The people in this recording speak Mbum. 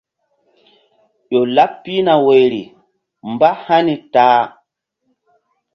Ƴo laɓ pihna woyri mbáhani ta a.